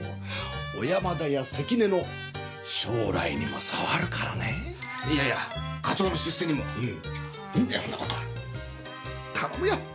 小山田や関根の将来にも障るからねぇいやいや課長の出世にもうんいいんだよそんなことは頼むよ！